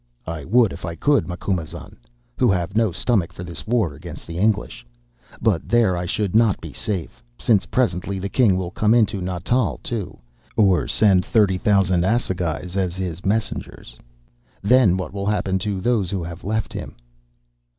"'I would if I could, Macumazahn, who have no stomach for this war against the English. But there I should not be safe, since presently the king will come into Natal too, or send thirty thousand assegais as his messengers. Then what will happen to those who have left him?